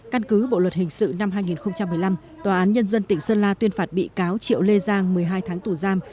căn cứ bộ luật hình sự năm hai nghìn một mươi năm tòa án nhân dân tỉnh sơn la tuyên phạt bị cáo triệu lê giang một mươi hai tháng tù giam